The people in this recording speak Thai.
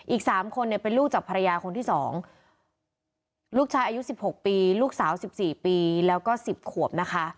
อีก๓คนเนี่ยเป็นลูกจากภรรยาคนที่๒ลูกชายอายุ๑๖ปีลูกสาว๑๔ปีแล้วก็๑๐ขวบนะคะ